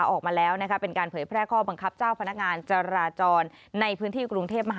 ออกมาแล้วนะคะเป็นการเผยแพร่ข้อบังคับเจ้าพนักงานจราจรในพื้นที่กรุงเทพมหานคร